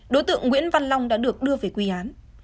đối tượng nguyễn văn long đã được đưa về quê án